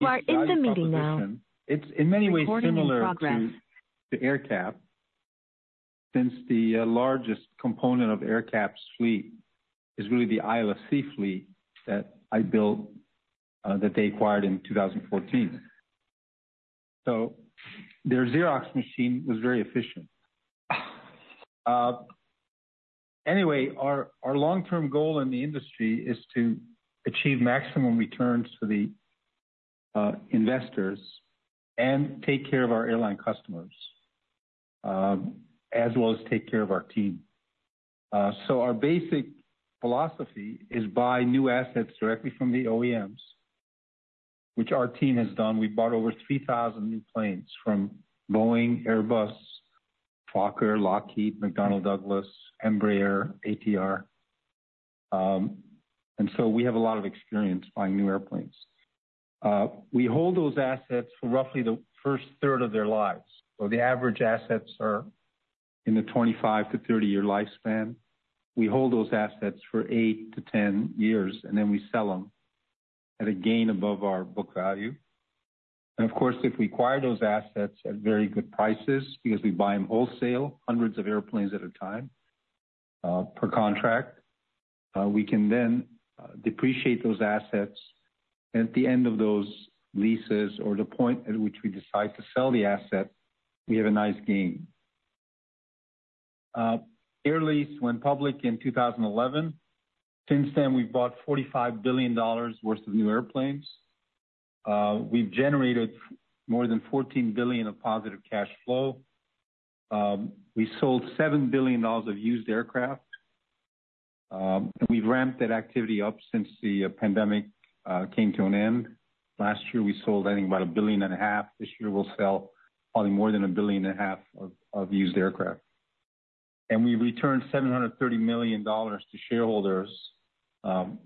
You are in the meeting now. Recording in progress. It's in many ways similar to AerCap, since the largest component of AerCap's fleet is really the ILFC fleet that I built, that they acquired in 2014. So their Xerox machine was very efficient. Anyway, our long-term goal in the industry is to achieve maximum returns for the investors and take care of our airline customers, as well as take care of our team. So our basic philosophy is buy new assets directly from the OEMs, which our team has done. We've bought over 3,000 new planes from Boeing, Airbus, Fokker, Lockheed, McDonnell Douglas, Embraer, ATR, and so we have a lot of experience buying new airplanes. We hold those assets for roughly the first third of their lives, so the average assets are in the 25-30-year lifespan. We hold those assets for 8-10 years, and then we sell them at a gain above our book value. Of course, if we acquire those assets at very good prices, because we buy them wholesale, hundreds of airplanes at a time, per contract, we can then depreciate those assets. At the end of those leases or the point at which we decide to sell the asset, we have a nice gain. Air Lease went public in 2011. Since then, we've bought $45 billion worth of new airplanes. We've generated more than $14 billion of positive cash flow. We sold $7 billion of used aircraft, and we've ramped that activity up since the pandemic came to an end. Last year, we sold, I think, about $1.5 billion. This year, we'll sell probably more than $1.5 billion of used aircraft. And we returned $730 million to shareholders,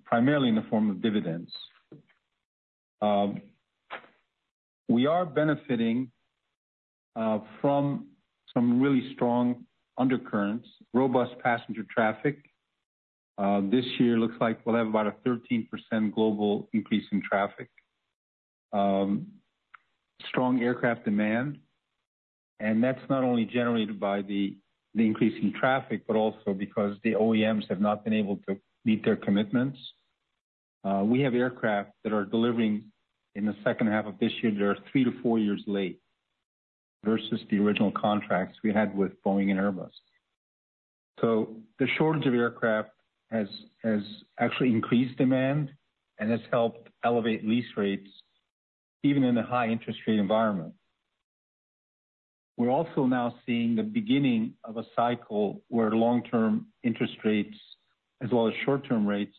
primarily in the form of dividends. We are benefiting from some really strong undercurrents, robust passenger traffic. This year looks like we'll have about a 13% global increase in traffic. Strong aircraft demand, and that's not only generated by the increase in traffic, but also because the OEMs have not been able to meet their commitments. We have aircraft that are delivering in the second half of this year. They're three to four years late versus the original contracts we had with Boeing and Airbus. So the shortage of aircraft has actually increased demand and has helped elevate lease rates, even in a high interest rate environment. We're also now seeing the beginning of a cycle where long-term interest rates, as well as short-term rates,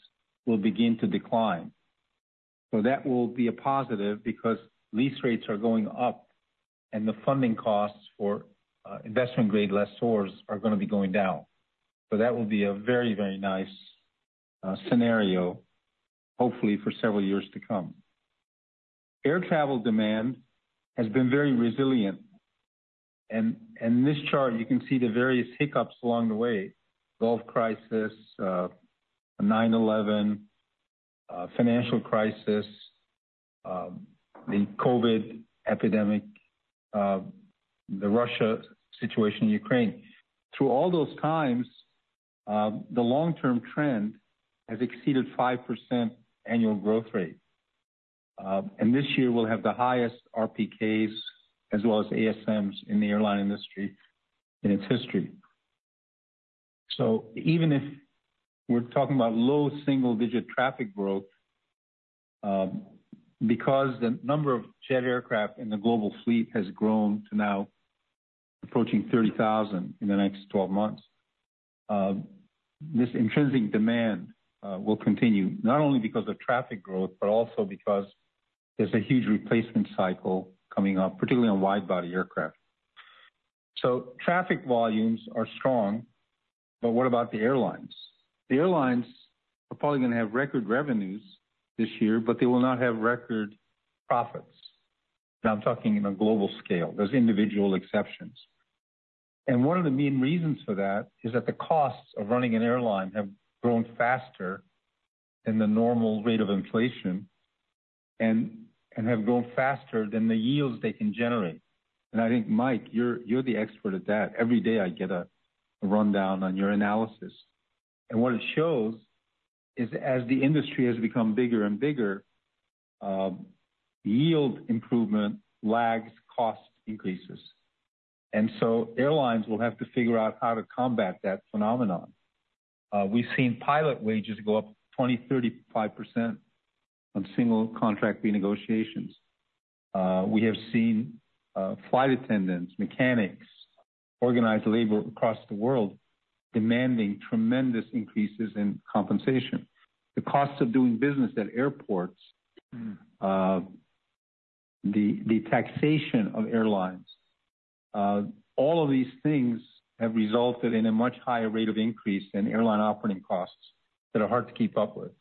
will begin to decline. So that will be a positive because lease rates are going up and the funding costs for investment grade lessors are gonna be going down. So that will be a very, very nice scenario, hopefully for several years to come. Air travel demand has been very resilient, and in this chart, you can see the various hiccups along the way. Gulf crisis, 9/1, financial crisis, the COVID epidemic, the Russia situation in Ukraine. Through all those times, the long-term trend has exceeded 5% annual growth rate. And this year we'll have the highest RPKs as well as ASMs in the airline industry in its history. So even if we're talking about low single digit traffic growth, because the number of jet aircraft in the global fleet has grown to now approaching 30,000 in the next twelve months, this intrinsic demand will continue, not only because of traffic growth, but also because there's a huge replacement cycle coming up, particularly on wide-body aircraft. So traffic volumes are strong, but what about the airlines? The airlines are probably gonna have record revenues this year, but they will not have record profits. Now I'm talking in a global scale. There's individual exceptions. One of the main reasons for that is that the costs of running an airline have grown faster than the normal rate of inflation and have grown faster than the yields they can generate. I think, Mike, you're the expert at that. Every day I get a rundown on your analysis, and what it shows is as the industry has become bigger and bigger, yield improvement lags cost increases, so airlines will have to figure out how to combat that phenomenon. We've seen pilot wages go up 20%-35% on single contract renegotiations. We have seen flight attendants, mechanics, organized labor across the world, demanding tremendous increases in compensation. The cost of doing business at airports, the taxation of airlines, all of these things have resulted in a much higher rate of increase in airline operating costs that are hard to keep up with.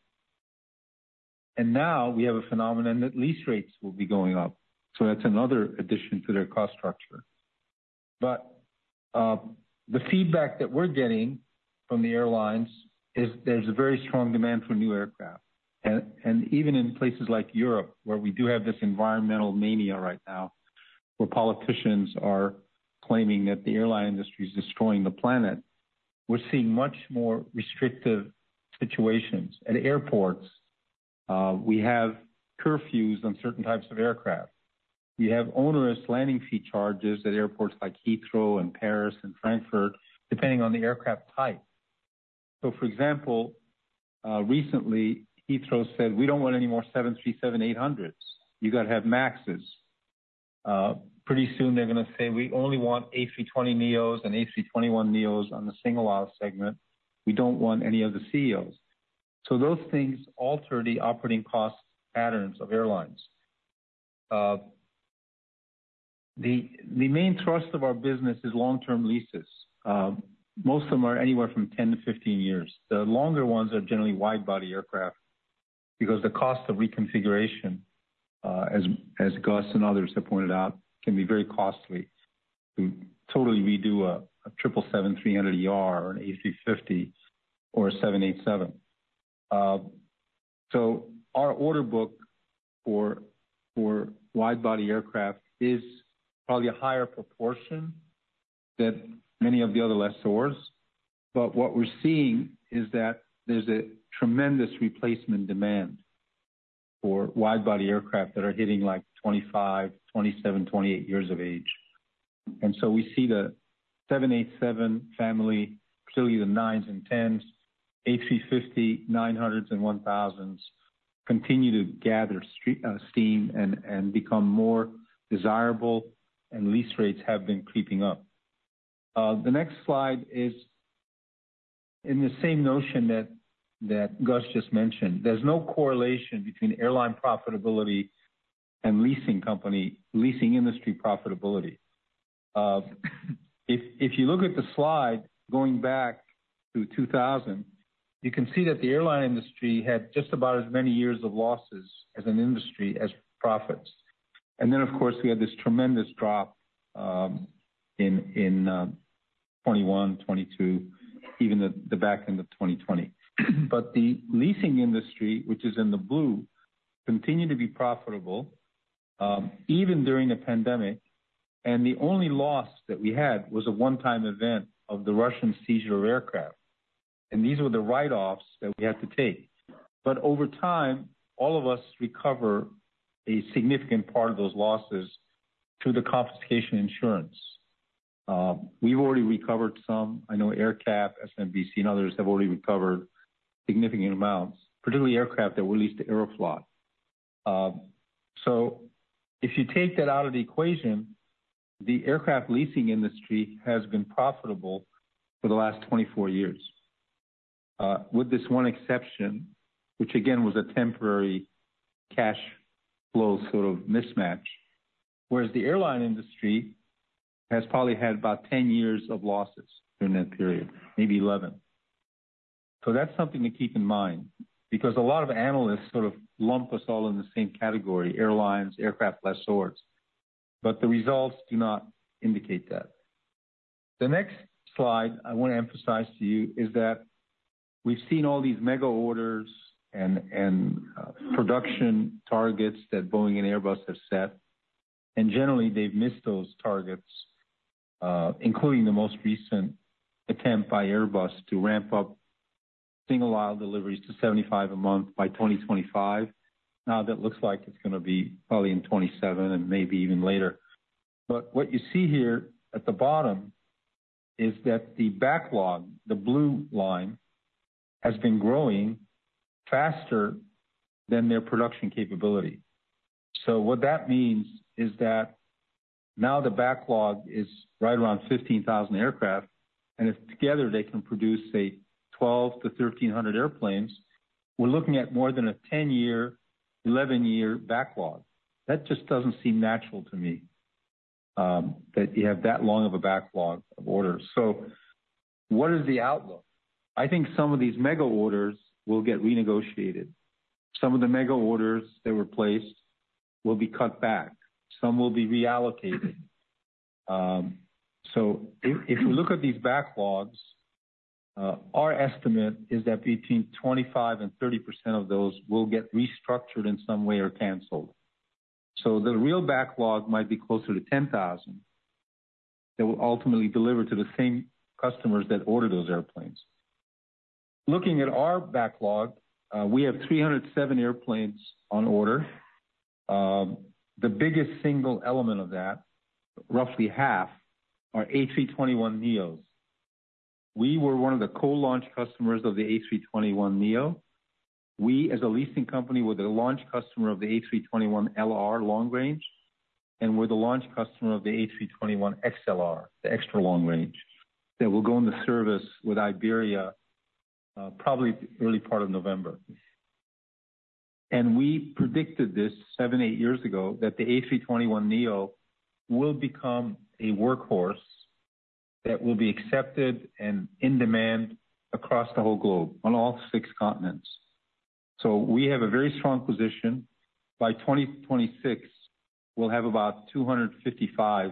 And now we have a phenomenon that lease rates will be going up, so that's another addition to their cost structure. But the feedback that we're getting from the airlines is there's a very strong demand for new aircraft. And even in places like Europe, where we do have this environmental mania right now, where politicians are claiming that the airline industry is destroying the planet, we're seeing much more restrictive situations. At airports, we have curfews on certain types of aircraft. We have onerous landing fee charges at airports like Heathrow and Paris and Frankfurt, depending on the aircraft type. So for example, recently, Heathrow said, "We don't want any more 737-800s. You got to have MAXes." Pretty soon they're gonna say, "We only want A320neos and A321neos on the single-aisle segment. We don't want any of the CEOs." So those things alter the operating cost patterns of airlines. The main thrust of our business is long-term leases. Most of them are anywhere from 10-15 years. The longer ones are generally wide-body aircraft, because the cost of reconfiguration, as Gus and others have pointed out, can be very costly. To totally redo a triple 777-300ER, an A350 or a 787. So our order book for wide-body aircraft is probably a higher proportion than many of the other lessors. But what we're seeing is that there's a tremendous replacement demand for wide-body aircraft that are hitting, like, 25, 27, 28 years of age. And so we see the 787 family, clearly the 9s and 10s, A350-900 and 1000s, continue to gather steam and become more desirable, and lease rates have been creeping up. The next slide is in the same notion that Gus just mentioned. There's no correlation between airline profitability and leasing company, leasing industry profitability. If you look at the slide, going back to 2000, you can see that the airline industry had just about as many years of losses as an industry, as profits. Of course, we had this tremendous drop in 2021, 2022, even the back end of 2020. But the leasing industry, which is in the blue, continued to be profitable, even during the pandemic. And the only loss that we had was a one-time event of the Russian seizure of aircraft, and these were the write-offs that we had to take. But over time, all of us recover a significant part of those losses through the confiscation insurance. We've already recovered some. I know AerCap, SMBC, and others have already recovered significant amounts, particularly aircraft that were leased to Aeroflot. So if you take that out of the equation, the aircraft leasing industry has been profitable for the last twenty-four years, with this one exception, which again, was a temporary cash flow sort of mismatch. Whereas the airline industry has probably had about ten years of losses during that period, maybe eleven. That's something to keep in mind, because a lot of analysts sort of lump us all in the same category, airlines, aircraft lessors, but the results do not indicate that. The next slide I want to emphasize to you is that we've seen all these mega orders and production targets that Boeing and Airbus have set, and generally, they've missed those targets, including the most recent attempt by Airbus to ramp up single aisle deliveries to seventy-five a month by twenty twenty-five. Now, that looks like it's gonna be probably in twenty-seven and maybe even later. But what you see here at the bottom is that the backlog, the blue line, has been growing faster than their production capability. So what that means is that now the backlog is right around 15,000 aircraft, and if together, they can produce, say, 1,200-1,300 airplanes, we're looking at more than a 10-year, 11-year backlog. That just doesn't seem natural to me, that you have that long of a backlog of orders. So what is the outlook? I think some of these mega orders will get renegotiated. Some of the mega orders that were placed will be cut back. Some will be reallocated. So if you look at these backlogs, our estimate is that between 25% and 30% of those will get restructured in some way or canceled. So the real backlog might be closer to 10,000 that will ultimately deliver to the same customers that order those airplanes. Looking at our backlog, we have 307 airplanes on order. The biggest single element of that, roughly half, are A321neos. We were one of the co-launch customers of the A321neo. We, as a leasing company, were the launch customer of the A321LR, long range, and we're the launch customer of the A321XLR, the extra long range, that will go into service with Iberia, probably early part of November. And we predicted this seven, eight years ago, that the A321neo will become a workhorse that will be accepted and in demand across the whole globe, on all six continents. So we have a very strong position. By 2026, we'll have about two hundred and fifty-five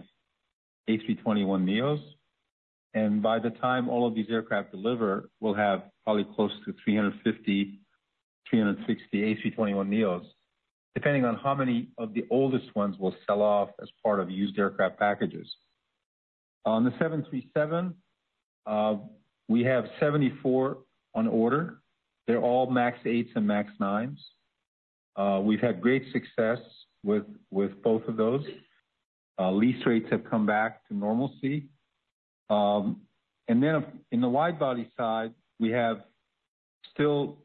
A321neos, and by the time all of these aircraft deliver, we'll have probably close to three hundred and fifty, three hundred and sixty A321neos, depending on how many of the oldest ones we'll sell off as part of used aircraft packages. On the 737, we have 74 on order. They're all MAX 8s and MAX 9s. We've had great success with both of those. Lease rates have come back to normalcy. And then in the wide-body side, we have still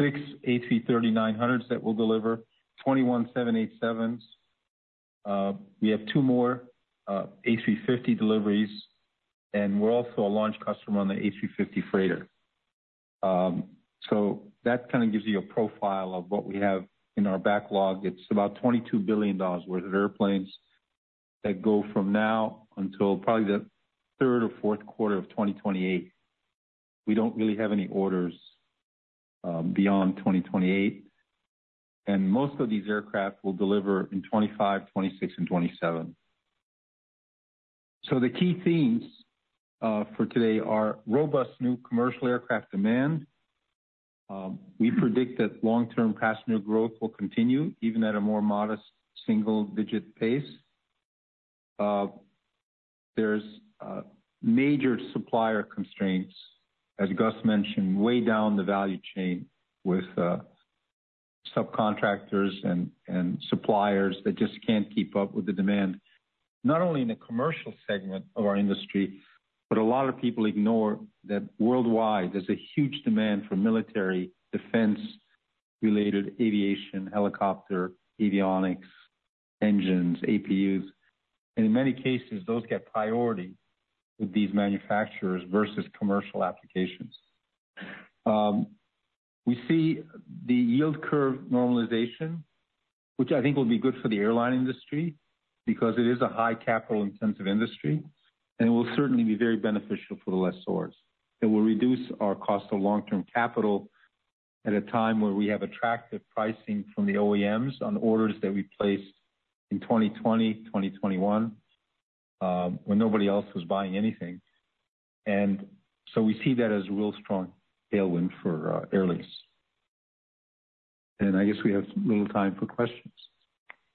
six A330-900s that will deliver, 21 787s. We have two more A350 deliveries, and we're also a launch customer on the A350 Freighter. So that kind of gives you a profile of what we have in our backlog. It's about $22 billion worth of airplanes that go from now until probably the third or fourth quarter of 2028. We don't really have any orders beyond 2028, and most of these aircraft will deliver in 2025, 2026 and 2027. So the key themes for today are robust new commercial aircraft demand. We predict that long-term passenger growth will continue even at a more modest single-digit pace. There's major supplier constraints, as Gus mentioned, way down the value chain with subcontractors and suppliers that just can't keep up with the demand, not only in the commercial segment of our industry, but a lot of people ignore that worldwide there's a huge demand for military defense-related aviation, helicopter, avionics, engines, APUs, and in many cases, those get priority with these manufacturers versus commercial applications. We see the yield curve normalization, which I think will be good for the airline industry because it is a high capital-intensive industry, and it will certainly be very beneficial for the lessors. It will reduce our cost of long-term capital at a time where we have attractive pricing from the OEMs on orders that we placed in twenty twenty, twenty twenty-one, when nobody else was buying anything. And so we see that as a real strong tailwind for airlines. And I guess we have a little time for questions.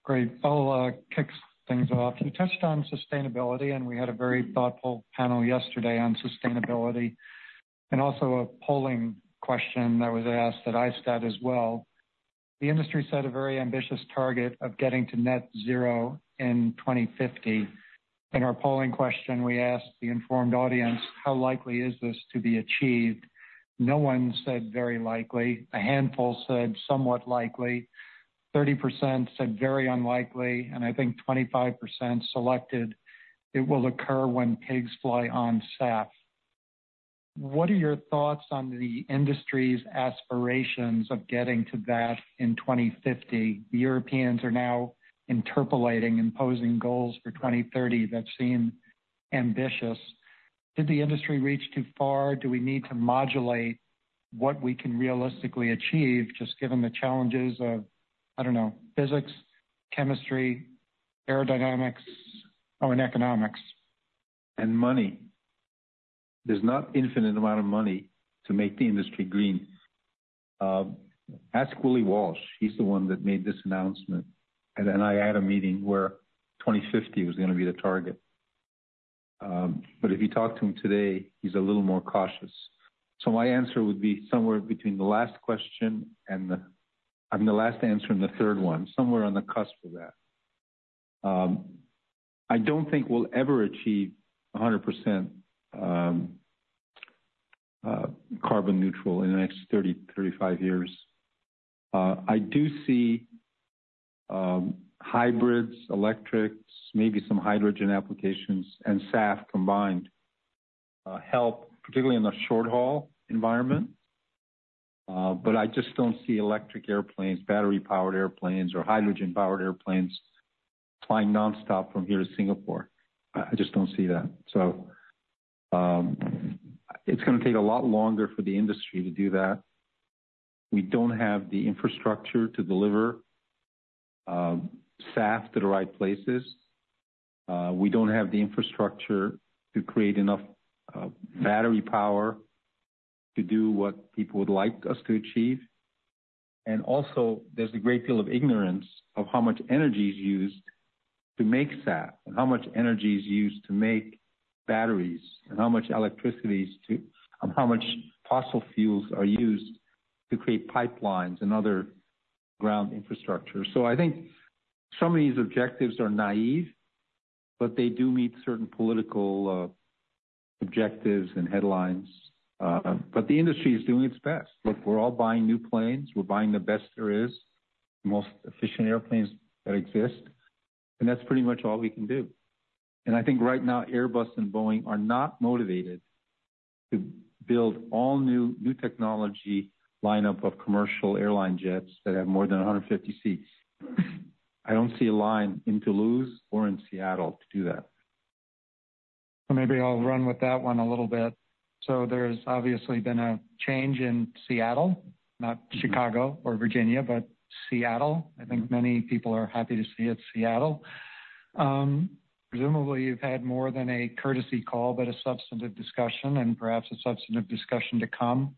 Great. I'll kick things off. You touched on sustainability, and we had a very thoughtful panel yesterday on sustainability, and also a polling question that was asked at ISTAT as well. The industry set a very ambitious target of getting to Net Zero in 2050. In our polling question, we asked the informed audience, how likely is this to be achieved? No one said very likely. A handful said somewhat likely. 30% said very unlikely, and I think 25% selected it will occur when pigs fly on SAF. What are your thoughts on the industry's aspirations of getting to that in 2050? The Europeans are now implementing, imposing goals for 2030 that seem ambitious. Did the industry reach too far? Do we need to modulate what we can realistically achieve, just given the challenges of, I don't know, physics, chemistry, aerodynamics, oh, and economics? And money. There's not infinite amount of money to make the industry green. Ask Willie Walsh. He's the one that made this announcement, and I had a meeting where 2050 was gonna be the target. But if you talk to him today, he's a little more cautious. So my answer would be somewhere between the last question and the, I mean, the last answer and the third one, somewhere on the cusp of that. I don't think we'll ever achieve 100% carbon neutral in the next 30-35 years. I do see hybrids, electrics, maybe some hydrogen applications and SAF combined help, particularly in the short-haul environment. But I just don't see electric airplanes, battery-powered airplanes, or hydrogen-powered airplanes flying nonstop from here to Singapore. I just don't see that. So, it's gonna take a lot longer for the industry to do that. We don't have the infrastructure to deliver SAF to the right places. We don't have the infrastructure to create enough battery power to do what people would like us to achieve. And also, there's a great deal of ignorance of how much energy is used to make SAF, and how much energy is used to make batteries, and how much electricity is, and how much fossil fuels are used to create pipelines and other ground infrastructure. So I think some of these objectives are naive, but they do meet certain political objectives and headlines. But the industry is doing its best. Look, we're all buying new planes. We're buying the best there is, the most efficient airplanes that exist, and that's pretty much all we can do. I think right now, Airbus and Boeing are not motivated to build all new technology lineup of commercial airline jets that have more than 150 seats. I don't see a line in Toulouse or in Seattle to do that.... So maybe I'll run with that one a little bit. So there's obviously been a change in Seattle, not Chicago or Virginia, but Seattle. I think many people are happy to see it's Seattle. Presumably, you've had more than a courtesy call, but a substantive discussion and perhaps a substantive discussion to come.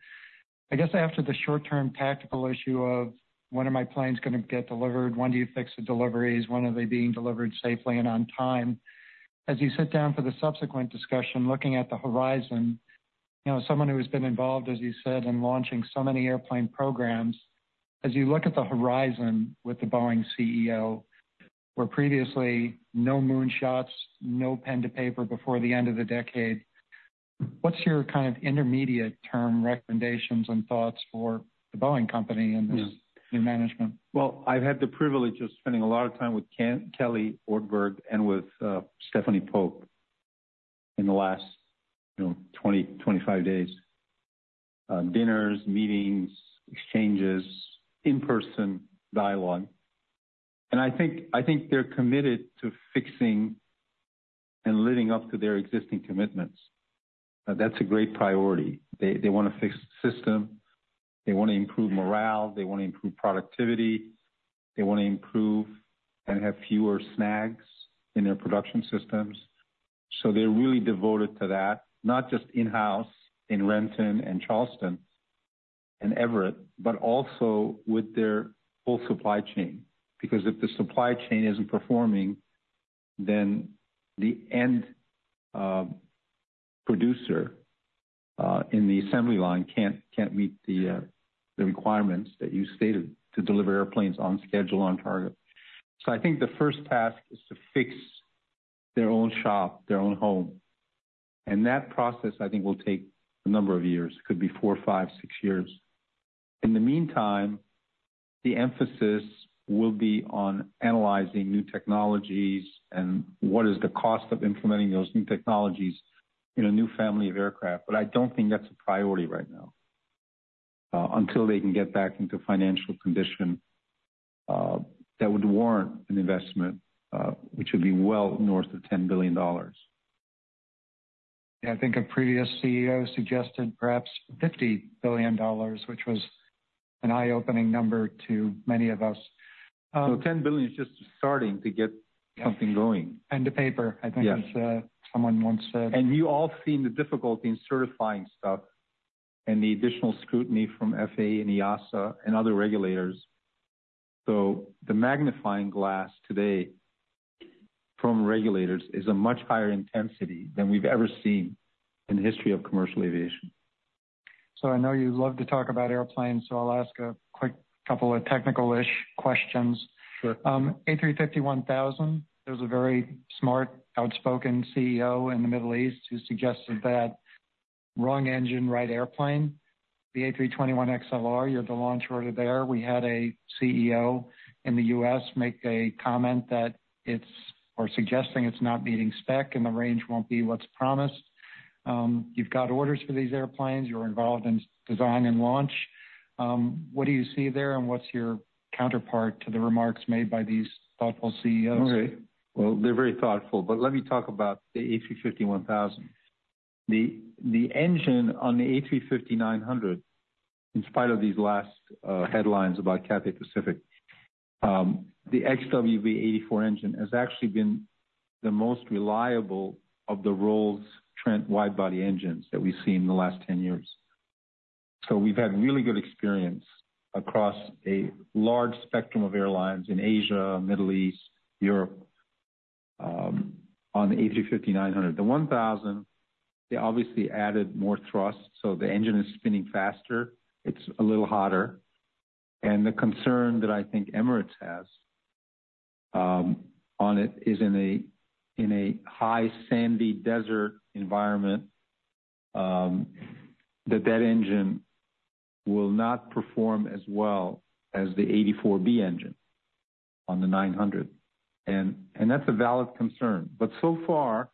I guess, after the short-term tactical issue of when are my planes gonna get delivered, when do you fix the deliveries, when are they being delivered safely and on time? As you sit down for the subsequent discussion, looking at the horizon, you know, someone who has been involved, as you said, in launching so many airplane programs, as you look at the horizon with the Boeing CEO, where previously no moonshots, no pen to paper before the end of the decade, what's your kind of intermediate term recommendations and thoughts for the Boeing company and this new management? I've had the privilege of spending a lot of time with Kelly Ortberg and with Stephanie Pope in the last, you know, twenty, twenty-five days. Dinners, meetings, exchanges, in-person dialogue. I think they're committed to fixing and living up to their existing commitments. That's a great priority. They wanna fix the system. They wanna improve morale, they wanna improve productivity, they wanna improve and have fewer snags in their production systems. They're really devoted to that, not just in-house in Renton and Charleston and Everett, but also with their whole supply chain, because if the supply chain isn't performing, then the end producer in the assembly line can't meet the requirements that you stated to deliver airplanes on schedule, on target. So I think the first task is to fix their own shop, their own home, and that process, I think, will take a number of years. It could be four, five, six years. In the meantime, the emphasis will be on analyzing new technologies and what is the cost of implementing those new technologies in a new family of aircraft. But I don't think that's a priority right now, until they can get back into financial condition, that would warrant an investment, which would be well north of $10 billion. Yeah, I think a previous CEO suggested perhaps $50 billion, which was an eye-opening number to many of us. 10 billion is just starting to get something going. Pen to paper. Yes. I think someone once said. You all have seen the difficulty in certifying stuff and the additional scrutiny from FAA and EASA and other regulators. The magnifying glass today from regulators is a much higher intensity than we've ever seen in the history of commercial aviation. So, I know you love to talk about airplanes, so I'll ask a quick couple of technical-ish questions. Sure. A350-1000, there's a very smart, outspoken CEO in the Middle East who suggested that wrong engine, right airplane. The A321XLR, you're the launch order there. We had a CEO in the US make a comment that it's or suggesting it's not meeting spec and the range won't be what's promised. You've got orders for these airplanes. You're involved in design and launch. What do you see there, and what's your counterpart to the remarks made by these thoughtful CEOs? Okay. They're very thoughtful, but let me talk about the A350-1000. The engine on the A350-900, in spite of these last headlines about Cathay Pacific, the XWB-84 engine has actually been the most reliable of the Rolls-Royce Trent wide body engines that we've seen in the last 10 years. So we've had really good experience across a large spectrum of airlines in Asia, Middle East, Europe, on the A350-900. The one thousand, they obviously added more thrust, so the engine is spinning faster, it's a little hotter, and the concern that I think Emirates has on it is in a high, sandy desert environment that engine will not perform as well as the XWB-84 engine on the nine hundred, and that's a valid concern. But so far,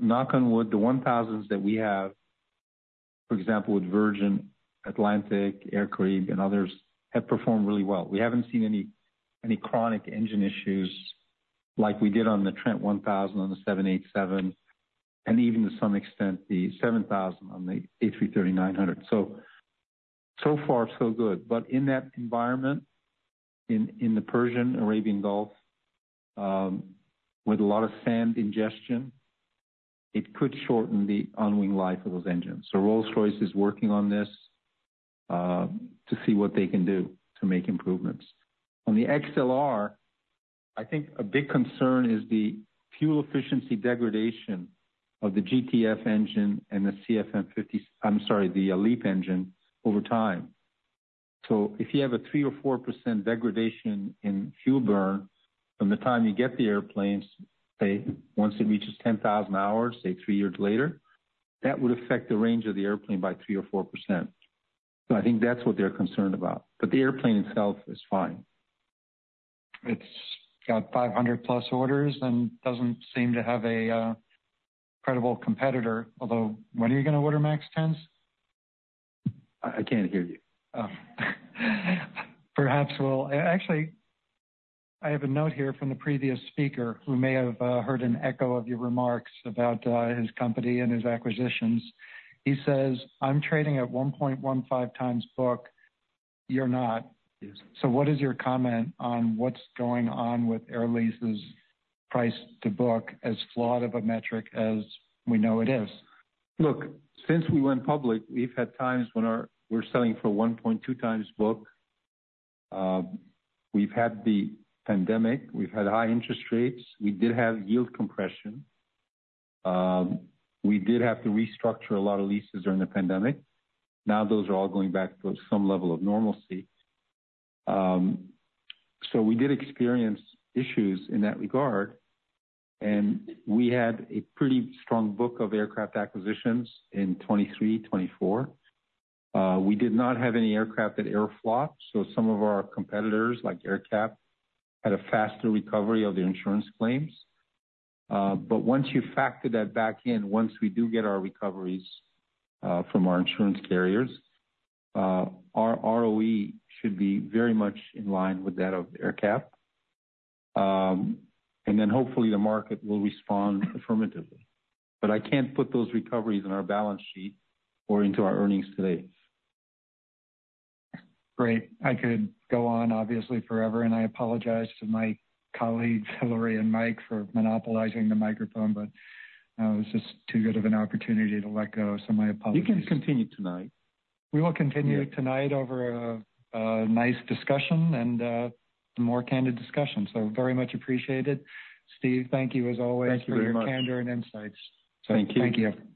knock on wood, the one thousands that we have, for example, with Virgin Atlantic, Air Caraïbes, and others, have performed really well. We haven't seen any chronic engine issues like we did on the Trent 1000, on the 787, and even to some extent, the 7000 on the A330-900. So far, so good. But in that environment, in the Persian Arabian Gulf, with a lot of sand ingestion, it could shorten the on-wing life of those engines. So Rolls-Royce is working on this, to see what they can do to make improvements. On the XLR, I think a big concern is the fuel efficiency degradation of the GTF engine and the CFM fifty-- I'm sorry, the LEAP engine over time. So if you have a 3% or 4% degradation in fuel burn from the time you get the airplanes, say, once it reaches 10,000 hours, say, three years later, that would affect the range of the airplane by 3% or 4%. So I think that's what they're concerned about, but the airplane itself is fine. It's got 500 plus orders and doesn't seem to have a credible competitor. Although, when are you gonna order MAX 10s? I can't hear you. Perhaps we'll. Actually, I have a note here from the previous speaker, who may have heard an echo of your remarks about his company and his acquisitions. He says, "I'm trading at 1.15 times book, you're not. Yes. So what is your comment on what's going on with Air Lease's price to book, as flawed of a metric as we know it is? Look, since we went public, we've had times when we're selling for one point two times book. We've had the pandemic, we've had high interest rates, we did have yield compression. We did have to restructure a lot of leases during the pandemic. Now, those are all going back to some level of normalcy. So we did experience issues in that regard, and we had a pretty strong book of aircraft acquisitions in 2023, 2024. We did not have any aircraft at Aeroflot, so some of our competitors, like AerCap, had a faster recovery of their insurance claims. But once you factor that back in, once we do get our recoveries from our insurance carriers, our ROE should be very much in line with that of AerCap. And then hopefully, the market will respond affirmatively. But I can't put those recoveries on our balance sheet or into our earnings today. Great. I could go on, obviously, forever, and I apologize to my colleagues, Hillary and Mike, for monopolizing the microphone, but it's just too good of an opportunity to let go, so my apologies. You can continue tonight. We will continue. Yeah. -tonight over a nice discussion and more candid discussion. So very much appreciated. Steve, thank you as always- Thank you very much. For your candor and insights. Thank you. Thank you.